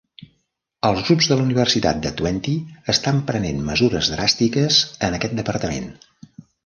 Els grups de la Universitat de Twente estan prenent mesures dràstiques en aquest departament.